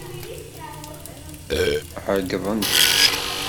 Ɛeyḍent.